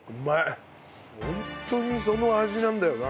ホントにその味なんだよな。